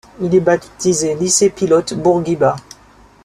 Il est baptisé lycée pilote Bourguiba.